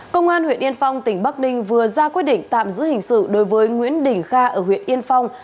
công an huyện yên phong tỉnh bắc ninh vừa ra quyết định tạm giữ hình sự đối với nguyễn đình kha ở huyện yên phong